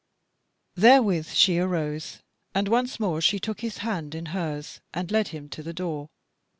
Therewith she arose, and once more she took his hand in hers, and led him to the door.